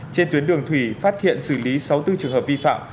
trên tuyến đường thủy phát hiện xử lý sáu mươi bốn trường hợp vi phạm